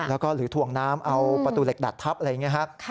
แล้วก็หรือถ่วงน้ำเอาประตูเหล็กดัดทับอะไรอย่างนี้ครับ